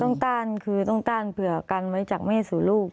ต้านคือต้องต้านเผื่อกันไว้จากแม่สู่ลูก